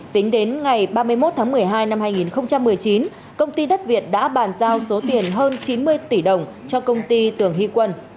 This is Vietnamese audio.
tính đến ngày ba mươi một tháng một mươi hai năm hai nghìn một mươi chín công ty đất việt đã bàn giao số tiền hơn chín mươi tỷ đồng cho công ty tường hy quân